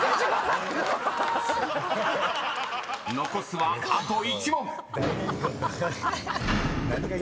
［残すはあと１問］